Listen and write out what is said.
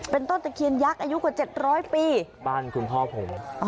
เป็นต้นตะเคียนยักษ์อายุกว่าเจ็ดร้อยปีบ้านคุณพ่อผม